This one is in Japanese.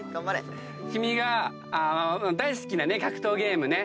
君が大好きな格闘ゲームね。